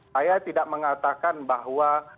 saya tidak mengatakan bahwa